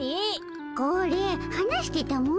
これはなしてたも。